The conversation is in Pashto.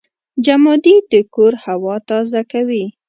جمادې د کور هوا تازه کوي.